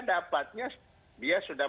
dapatnya dia sudah